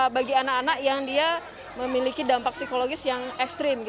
bagi anak anak yang dia memiliki dampak psikologis yang ekstrim